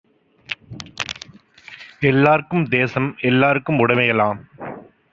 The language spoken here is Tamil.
எல்லார்க்கும் தேசம், எல்லார்க்கும் உடைமைஎலாம்